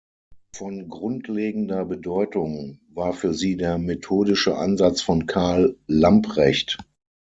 Von grundlegender Bedeutung war für sie der methodische Ansatz von Karl Lamprecht.